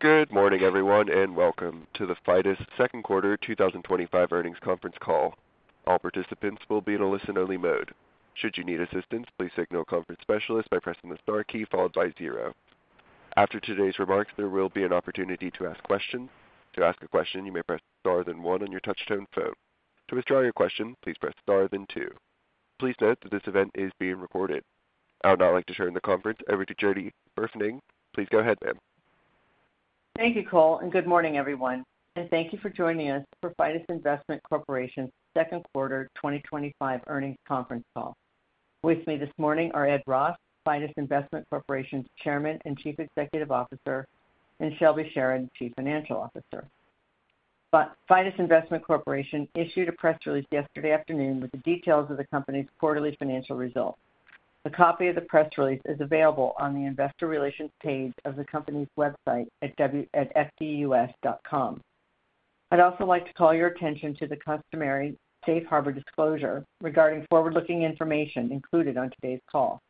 Good morning, everyone, and welcome to the Fidus Investment Corporation Second Quarter 2025 Earnings Conference Call. All participants will be in a listen-only mode. Should you need assistance, please signal a conference specialist by pressing the star key followed by zero. After today's remarks, there will be an opportunity to ask questions. To ask a question, you may press star then one on your touch-tone phone. To withdraw your question, please press star then two. Please note that this event is being recorded. I would now like to turn the conference over to Jody Burfening. Please go ahead, ma'am. Thank you, Cole, and good morning, everyone, and thank you for joining us for Fidus Investment Corporation's Second Quarter 2025 Earnings Conference Call. With me this morning are Ed Ross, Fidus Investment Corporation's Chairman and Chief Executive Officer, and Shelby Sherard, Chief Financial Officer. Fidus Investment Corporation issued a press release yesterday afternoon with the details of the company's quarterly financial results. A copy of the press release is available on the Investor Relations page of the company's website at fdus.com. I'd also like to call your attention to the customary safe harbor disclosure regarding forward-looking information included on today's call.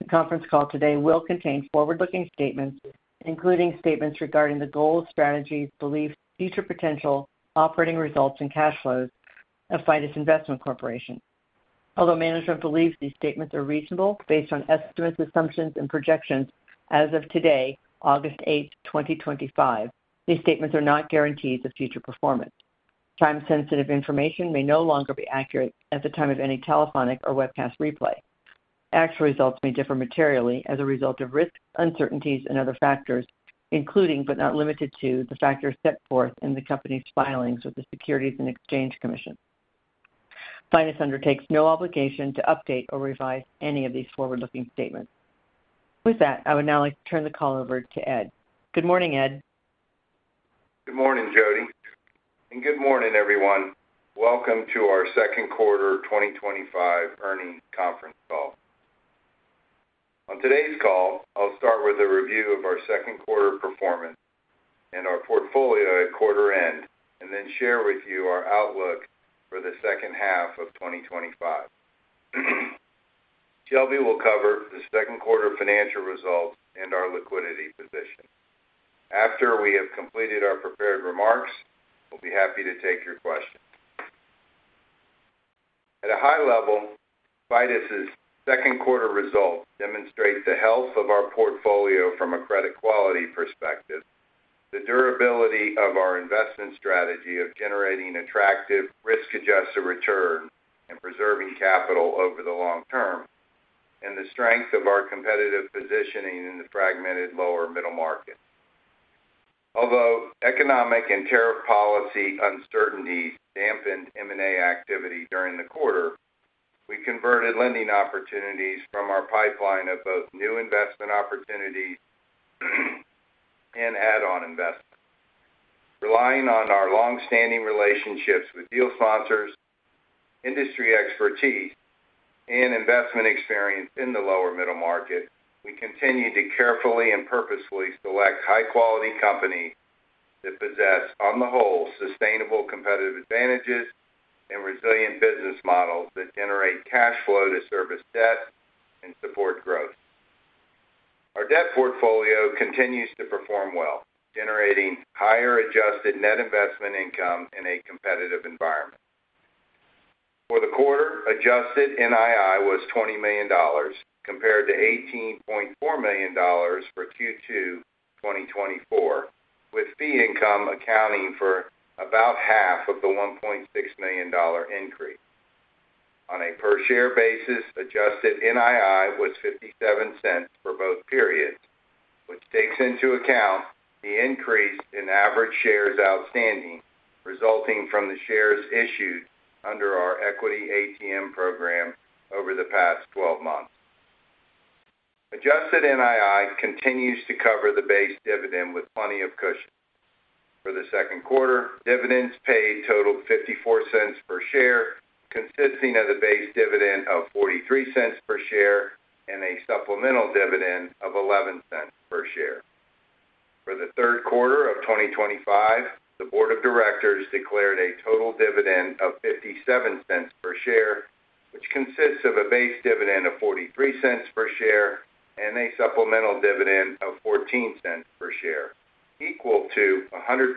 The conference call today will contain forward-looking statements, including statements regarding the goals, strategies, beliefs, future potential, operating results, and cash flows of Fidus Investment Corporation. Although management believes these statements are reasonable based on estimates, assumptions, and projections as of today, August 8, 2025, these statements are not guarantees of future performance. Time-sensitive information may no longer be accurate at the time of any telephonic or webcast replay. Actual results may differ materially as a result of risks, uncertainties, and other factors, including but not limited to the factors set forth in the company's filings with the Securities and Exchange Commission. Fidus undertakes no obligation to update or revise any of these forward-looking statements. With that, I would now like to turn the call over to Ed. Good morning, Ed. Good morning, Jody, and good morning, everyone. Welcome to our Second Quarter 2025 Earnings Conference Call. On today's call, I'll start with a review of our second quarter performance and our portfolio at quarter end, and then share with you our outlook for the second half of 2025. Shelby will cover the second quarter financial results and our liquidity position. After we have completed our prepared remarks, we'll be happy to take your questions. At a high level, Fidus' second quarter result demonstrates the health of our portfolio from a credit quality perspective, the durability of our investment strategy of generating attractive risk-adjusted returns and preserving capital over the long term, and the strength of our competitive positioning in the fragmented lower middle market. Although economic and tariff policy uncertainties dampened M&A activity during the quarter, we converted lending opportunities from our pipeline of both new investment opportunities and add-on investments. Relying on our longstanding relationships with deal sponsors, industry expertise, and investment experience in the lower middle market, we continue to carefully and purposefully select high-quality companies that possess, on the whole, sustainable competitive advantages and resilient business models that generate cash flow to service debt and support growth. Our debt portfolio continues to perform well, generating higher adjusted net investment income in a competitive environment. For the quarter, adjusted NII was $20 million compared to $18.4 million for Q2 2024, with fee income accounting for about half of the $1.6 million increase. On a per share basis, adjusted NII was $0.57 for both periods, which takes into account the increase in average shares outstanding resulting from the shares issued under our equity ATM program over the past 12 months. Adjusted NII continues to cover the base dividend with plenty of cushion. For the second quarter, dividends paid totaled $0.54 per share, consisting of the base dividend of $0.43 per share and a supplemental dividend of $0.11 per share. For the third quarter of 2025, the Board of Directors declared a total dividend of $0.57 per share, which consists of a base dividend of $0.43 per share and a supplemental dividend of $0.14 per share, equal to 100%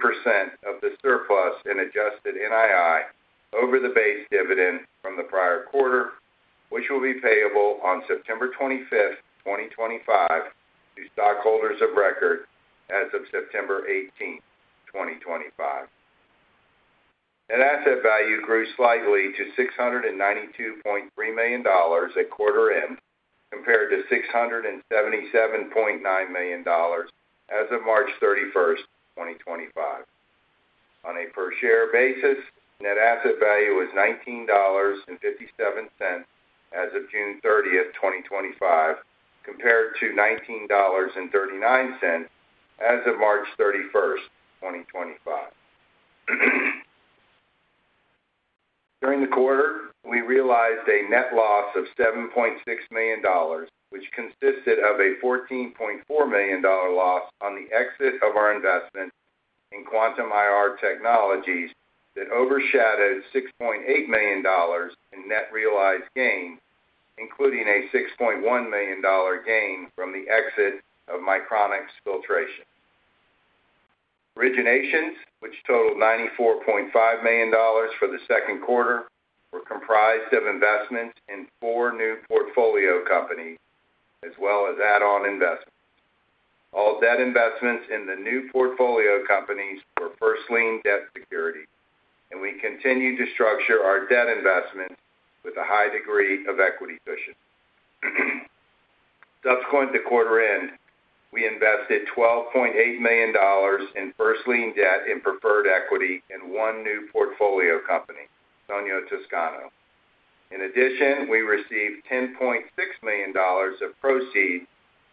of the surplus in adjusted NII over the base dividend from the prior quarter, which will be payable on September 25, 2025, to stockholders of record as of September 18, 2025. Net asset value grew slightly to $692.3 million at quarter end, compared to $677.9 million as of March 31st, 2025. On a per share basis, net asset value was $19.57 as of June 30th, 2025, compared to $19.39 as of March 31st, 2025. During the quarter, we realized a net loss of $7.6 million, which consisted of a $14.4 million loss on the exit of our investment in Quantum IR Technologies that overshadowed $6.8 million in net realized gain, including a $6.1 million gain from the exit of Micronics Filtration. Originations, which totaled $94.5 million for the second quarter, were comprised of investments in four new portfolio companies, as well as add-on investments. All debt investments in the new portfolio companies were first lien debt securities, and we continued to structure our debt investments with a high degree of equity cushion. Subsequent to quarter end, we invested $12.8 million in first lien debt and preferred equity in one new portfolio company, Sonio Toscano. In addition, we received $10.6 million of proceeds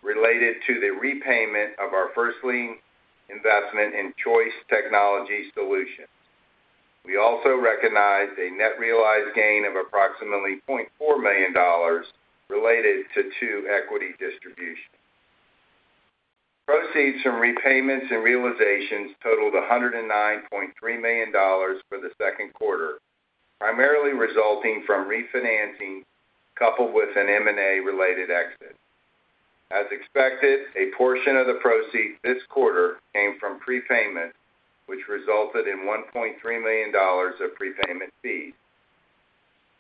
related to the repayment of our first lien investment in Choice Technology Solutions. We also recognized a net realized gain of approximately $0.4 million related to two equity distributions. Proceeds from repayments and realizations totaled $109.3 million for the second quarter, primarily resulting from refinancing coupled with an M&A-related exit. As expected, a portion of the proceeds this quarter came from prepayment, which resulted in $1.3 million of prepayment fees.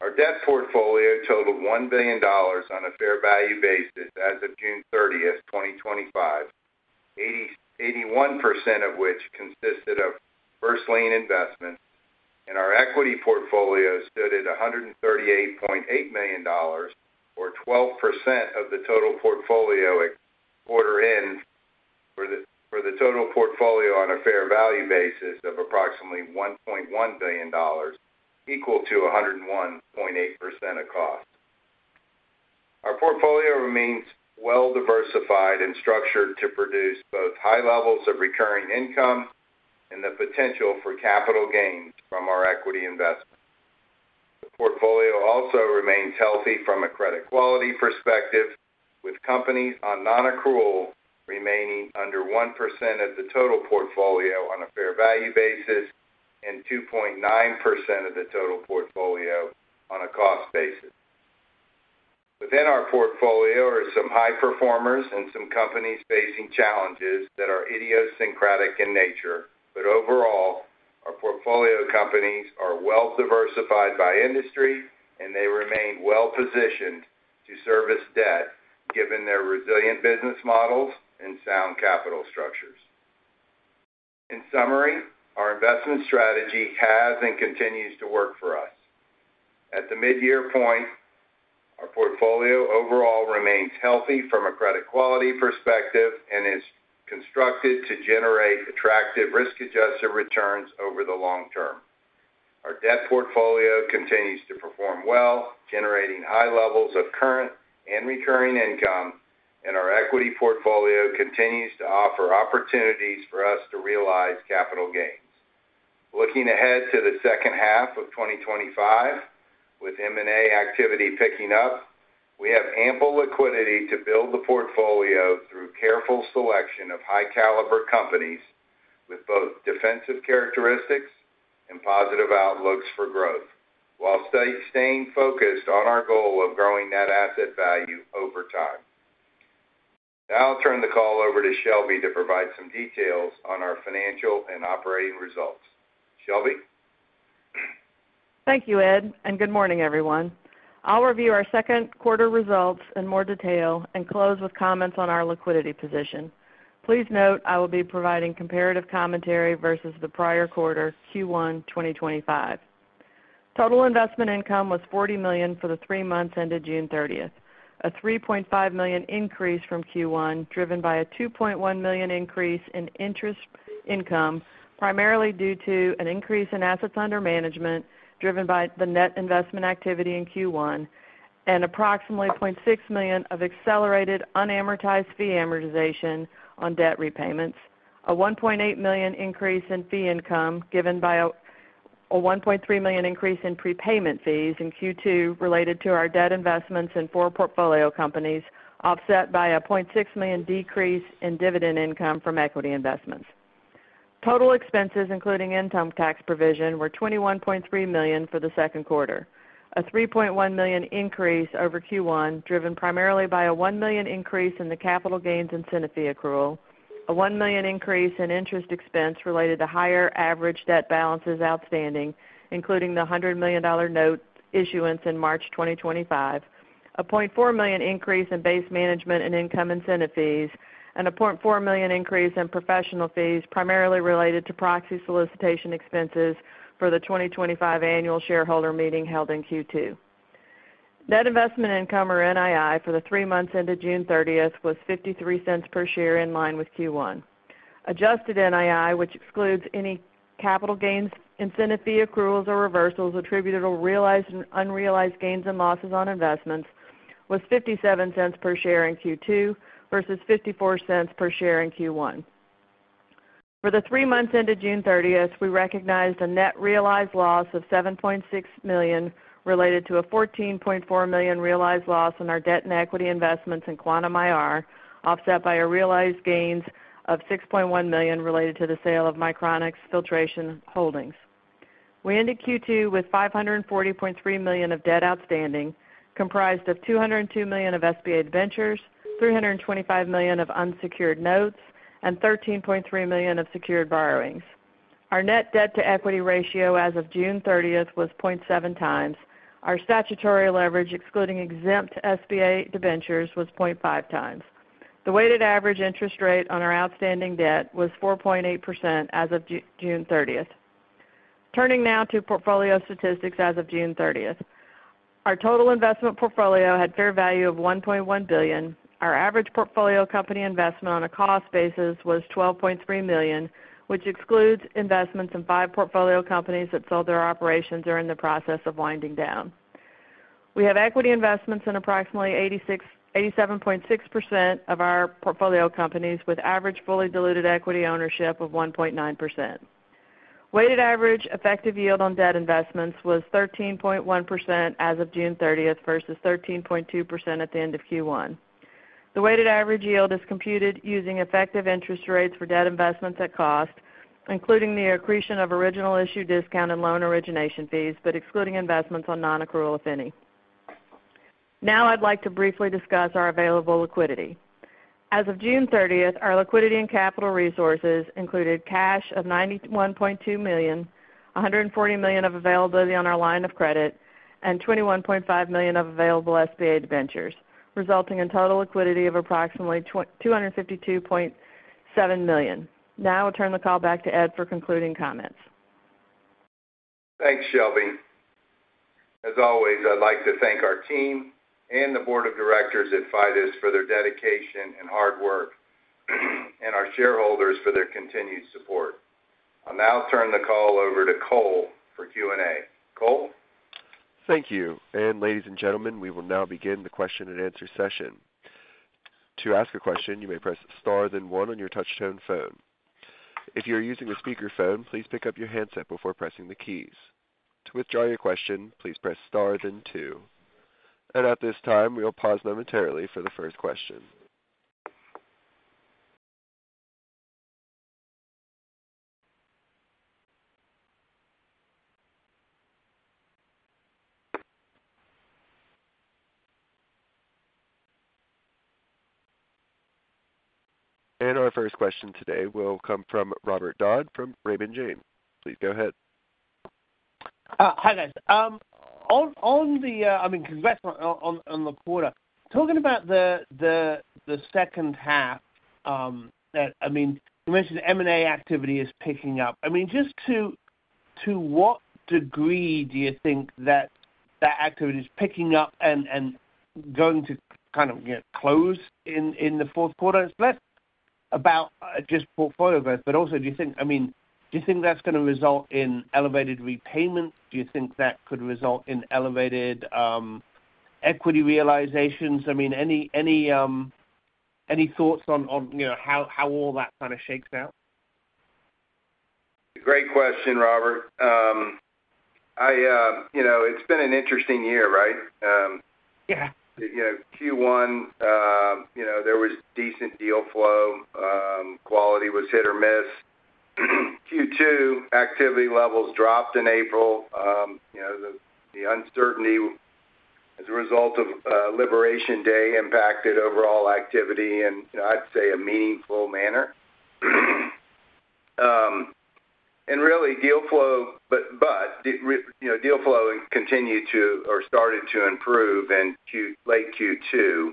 Our debt portfolio totaled $1 billion on a fair value basis as of June 30, 2025, 81% of which consisted of first lien investments, and our equity portfolio stood at $138.8 million, or 12% of the total portfolio at quarter end for the total portfolio on a fair value basis of approximately $1.1 billion, equal to 101.8% of cost. Our portfolio remains well diversified and structured to produce both high levels of recurring income and the potential for capital gains from our equity investments. The portfolio also remains healthy from a credit quality perspective, with companies on non-accrual remaining under 1% of the total portfolio on a fair value basis and 2.9% of the total portfolio on a cost basis. Within our portfolio are some high performers and some companies facing challenges that are idiosyncratic in nature, but overall, our portfolio companies are well diversified by industry, and they remain well positioned to service debt given their resilient business models and sound capital structures. In summary, our investment strategy has and continues to work for us. At the mid-year point, our portfolio overall remains healthy from a credit quality perspective and is constructed to generate attractive risk-adjusted returns over the long term. Our debt portfolio continues to perform well, generating high levels of current and recurring income, and our equity portfolio continues to offer opportunities for us to realize capital gains. Looking ahead to the second half of 2025, with M&A activity picking up, we have ample liquidity to build the portfolio through careful selection of high-caliber companies with both defensive characteristics and positive outlooks for growth, while staying focused on our goal of growing net asset value over time. Now I'll turn the call over to Shelby to provide some details on our financial and operating results. Shelby? Thank you, Ed, and good morning, everyone. I'll review our second quarter results in more detail and close with comments on our liquidity position. Please note I will be providing comparative commentary versus the prior quarter, Q1 2025. Total investment income was $40 million for the three months ended June 30th, a $3.5 million increase from Q1 driven by a $2.1 million increase in interest income, primarily due to an increase in assets under management driven by the net investment activity in Q1, and approximately $0.6 million of accelerated unamortized fee amortization on debt repayments, a $1.8 million increase in fee income given by a $1.3 million increase in prepayment fees in Q2 related to our debt investments in four portfolio companies, offset by a $0.6 million decrease in dividend income from equity investments. Total expenses, including income tax provision, were $21.3 million for the second quarter, a $3.1 million increase over Q1 driven primarily by a $1 million increase in the capital gains incentive fee accrual, a $1 million increase in interest expense related to higher average debt balances outstanding, including the $100 million note issuance in March 2025, a $0.4 million increase in base management and income incentive fees, and a $0.4 million increase in professional fees primarily related to proxy solicitation expenses for the 2025 annual shareholder meeting held in Q2. Net investment income, or NII, for the three months ended June 30th was $0.53 per share in line with Q1. Adjusted NII, which excludes any capital gains incentive fee accruals or reversals attributed to realized and unrealized gains and losses on investments, was $0.57 per share in Q2 versus $0.54 per share in Q1. For the three months ended June 30th, we recognized a net realized loss of $7.6 million related to a $14.4 million realized loss on our debt and equity investments in Quantum IR, offset by realized gains of $6.1 million related to the sale of Micronics Filtration Holdings. We ended Q2 with $540.3 million of debt outstanding, comprised of $202 million of SBA debentures, $325 million of unsecured notes, and $13.3 million of secured borrowings. Our net debt-to-equity ratio as of June 30 was 0.7x. Our statutory leverage, excluding exempt SBA debentures, was 0.5x. The weighted average interest rate on our outstanding debt was 4.8% as of June 30th. Turning now to portfolio statistics as of June 30th, our total investment portfolio had a fair value of $1.1 billion. Our average portfolio company investment on a cost basis was $12.3 million, which excludes investments in five portfolio companies that sold their operations or are in the process of winding down. We have equity investments in approximately 87.6% of our portfolio companies, with average fully diluted equity ownership of 1.9%. Weighted average effective yield on debt investments was 13.1% as of June 30th versus 13.2% at the end of Q1. The weighted average yield is computed using effective interest rates for debt investments at cost, including the accretion of original issue discount and loan origination fees, but excluding investments on non-accrual, if any. Now I'd like to briefly discuss our available liquidity. As of June 30th, our liquidity and capital resources included cash of $91.2 million, $140 million of availability on our line of credit, and $21.5 million of available SBA debentures, resulting in total liquidity of approximately $252.7 million. Now I'll turn the call back to Ed for concluding comments. Thanks, Shelby. As always, I'd like to thank our team and the Board of Directors at Fidus for their dedication and hard work, and our shareholders for their continued support. I'll now turn the call over to Cole for Q&A. Cole? Thank you. Ladies and gentlemen, we will now begin the question and answer session. To ask a question, you may press star then one on your touch-tone phone. If you are using a speaker phone, please pick up your handset before pressing the keys. To withdraw your question, please press star then two. At this time, we will pause momentarily for the first question. Our first question today will come from Robert Dodd from Raymond James. Please go ahead. Hi, guys. Congrats on the quarter. Talking about the second half, you mentioned M&A activity is picking up. To what degree do you think that activity is picking up and going to kind of close in the fourth quarter? It's less about just portfolio growth, but also do you think that's going to result in elevated repayments? Do you think that could result in elevated equity realizations? Any thoughts on how all that kind of shakes out? Great question, Robert. You know, it's been an interesting year, right? Yeah. Q1, there was decent deal flow. Quality was hit or miss. Q2, activity levels dropped in April. The uncertainty as a result of Liberation Day impacted overall activity in a meaningful manner. Deal flow started to improve in late Q2,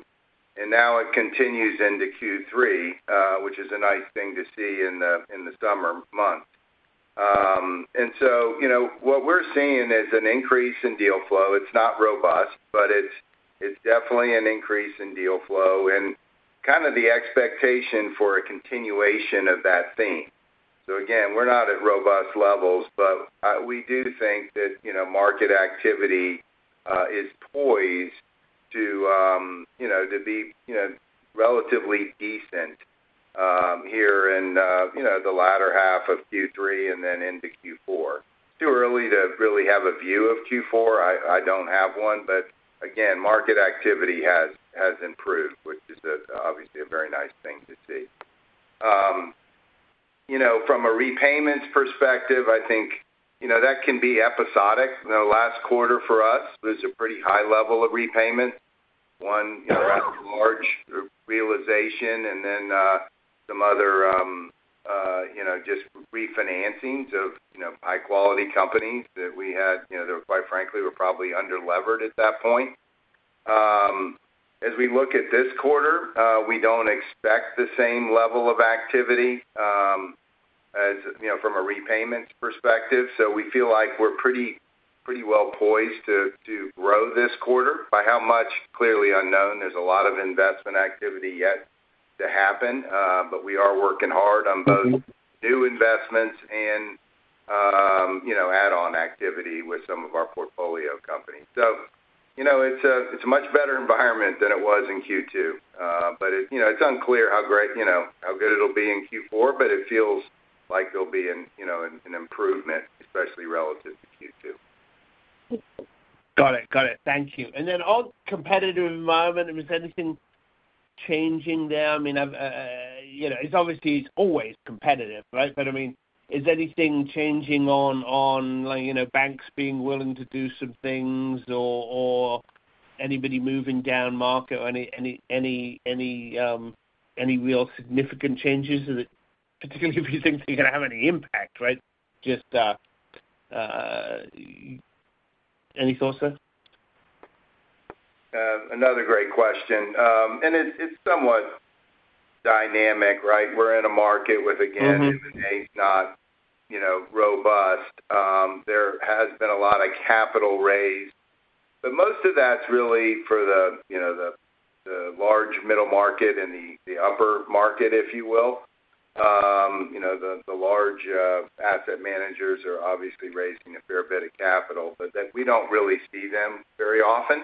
and now it continues into Q3, which is a nice thing to see in the summer month. What we're seeing is an increase in deal flow. It's not robust, but it's definitely an increase in deal flow and kind of the expectation for a continuation of that theme. We're not at robust levels, but we do think that market activity is poised to be relatively decent here in the latter half of Q3 and then into Q4. Too early to really have a view of Q4. I don't have one, but market activity has improved, which is obviously a very nice thing to see. From a repayments perspective, that can be episodic. The last quarter for us was a pretty high level of repayment. One rather large realization, and then some other refinancings of high-quality companies that we had that quite frankly were probably under-levered at that point. As we look at this quarter, we don't expect the same level of activity from a repayments perspective. We feel like we're pretty well poised to grow this quarter. By how much, clearly unknown. There's a lot of investment activity yet to happen, but we are working hard on both new investments and add-on activity with some of our portfolio companies. It's a much better environment than it was in Q2. It’s unclear how good it'll be in Q4, but it feels like there'll be an improvement, especially relative to Q2. Got it. Thank you. On competitive environment, is anything changing there? It's obviously always competitive, right? Is anything changing on banks being willing to do some things or anybody moving down market or any real significant changes? Particularly if you think they're going to have any impact, just any thoughts there? Another great question. It's somewhat dynamic, right? We're in a market with M&A activity that is not, you know, robust. There has been a lot of capital raised, but most of that's really for the large middle market and the upper market, if you will. The large asset managers are obviously raising a fair bit of capital, but we don't really see them very often.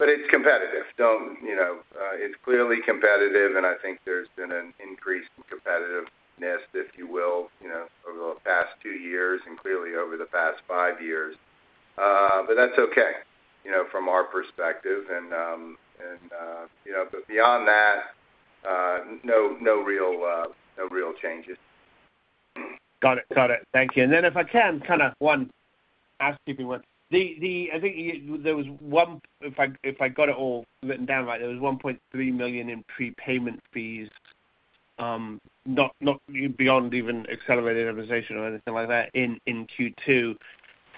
It's competitive. It's clearly competitive, and I think there's been an increase in competitiveness, if you will, over the past two years and clearly over the past five years. That's okay, you know, from our perspective. Beyond that, no real changes. Got it. Thank you. If I can, kind of one ask if you want, I think there was one, if I got it all written down right, there was $1.3 million in prepayment fees, not beyond even accelerated innovation or anything like that in Q2.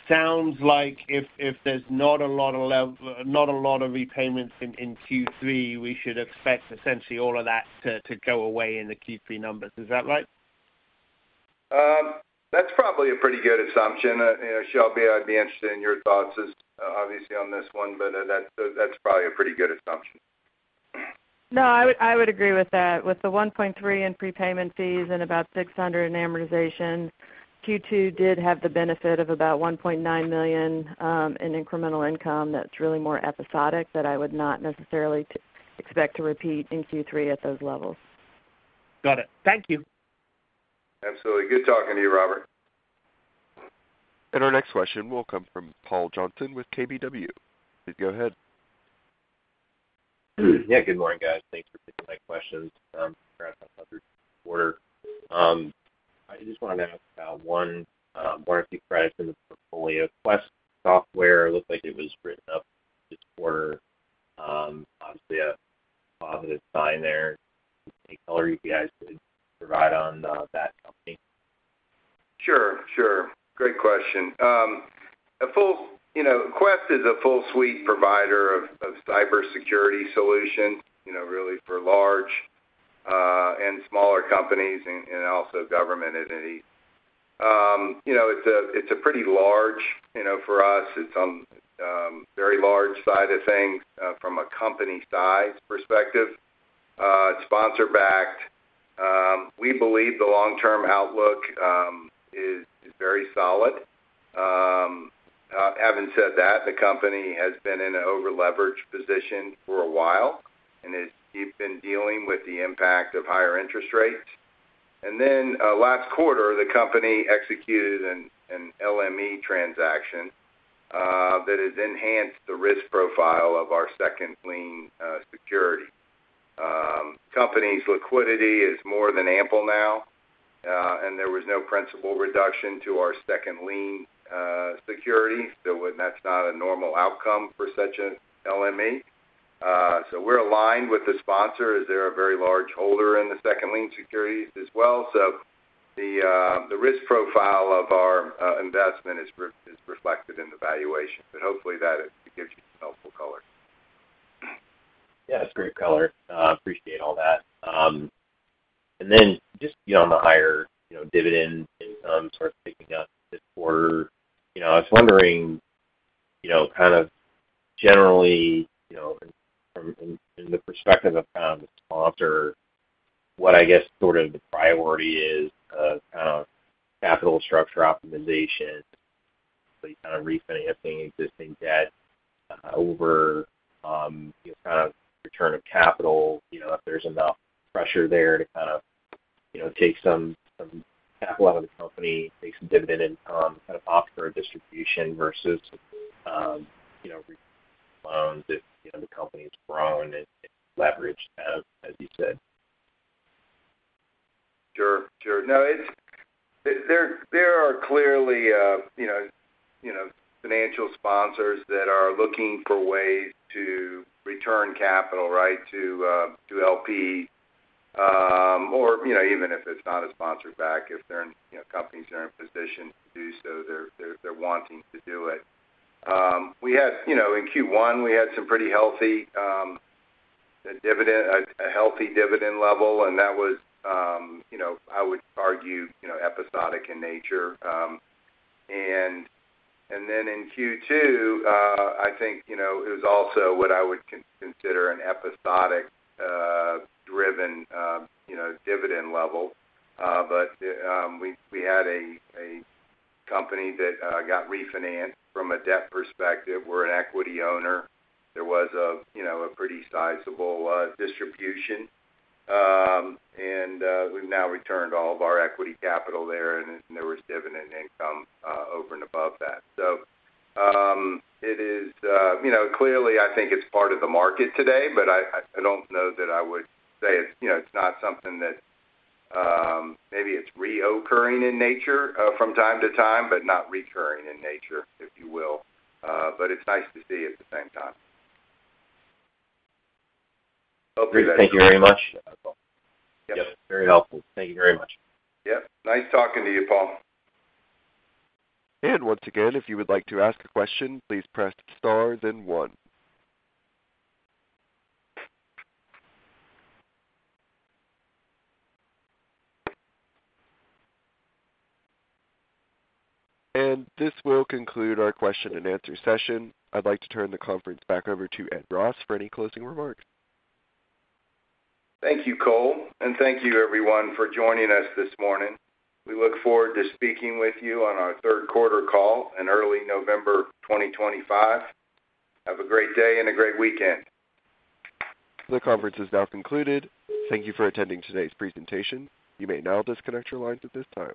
Sounds like if there's not a lot of, not a lot of repayments in Q3, we should expect essentially all of that to go away in the Q3 numbers. Is that right? That's probably a pretty good assumption. Shelby, I'd be interested in your thoughts on this one, but that's probably a pretty good assumption. No, I would agree with that. With the $1.3 million in prepayment fees and about $600,000 in amortization, Q2 did have the benefit of about $1.9 million in incremental income that's really more episodic that I would not necessarily expect to repeat in Q3 at those levels. Got it. Thank you. Absolutely. Good talking to you, Robert. Our next question will come from Paul Johnson with KBW. Please go ahead. Yeah, good morning, guys. Thanks for taking my questions. I'm glad that's another quarter. I just wanted to ask about one warrant price in the portfolio. Quest Software, it looked like it was written up this quarter. Obviously, a positive sign there. Any color you can provide on that company? Great question. Quest is a full suite provider of cybersecurity solutions for large and smaller companies and also government entities. It's on the very large side of things from a company size perspective. It's sponsor-backed. We believe the long-term outlook is very solid. Having said that, the company has been in an over-leveraged position for a while, and it's been dealing with the impact of higher interest rates. Last quarter, the company executed a liability management exercise transaction that has enhanced the risk profile of our second lien security. The company's liquidity is more than ample now, and there was no principal reduction to our second lien securities. That's not a normal outcome for such a liability management exercise. We're aligned with the sponsor as they're a very large holder in the second lien securities as well. The risk profile of our investment is reflected in the valuation. Hopefully, that gives you some helpful color. Yeah, that's great color. Appreciate all that. On the higher dividend income sort of picking up this quarter, I was wondering, kind of generally, from the perspective of the sponsor, what the priority is of capital structure optimization. You're refinancing existing debt over return of capital, if there's enough pressure there to take some capital out of the company, take some dividend income, offer a distribution versus loans if the company has grown and leveraged, as you said. No, there are clearly financial sponsors that are looking for ways to return capital to LP. Even if it's not a sponsor-backed deal, if they're in companies that are in a position to do so, they're wanting to do it. In Q1, we had some pretty healthy dividend, a healthy level, and that was, I would argue, episodic in nature. In Q2, I think it was also what I would consider an episodic-driven dividend level. We had a company that got refinanced from a debt perspective. We're an equity owner. There was a pretty sizable distribution, and we've now returned all of our equity capital there, and there was dividend income over and above that. Clearly, I think it's part of the market today. I don't know that I would say it's not something that maybe is reoccurring in nature from time to time, but not recurring in nature, if you will. It's nice to see at the same time. Thank you very much. Yep, very helpful. Thank you very much. Yep. Nice talking to you, Paul. If you would like to ask a question, please press star then one. This will conclude our question and answer session. I'd like to turn the conference back over to Ed Ross for any closing remarks. Thank you, Cole, and thank you, everyone, for joining us this morning. We look forward to speaking with you on our third quarter call in early November 2025. Have a great day and a great weekend. The conference is now concluded. Thank you for attending today's presentation. You may now disconnect your lines at this time.